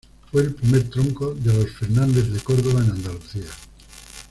Fue el primer tronco de los Fernández de Córdoba en Andalucía.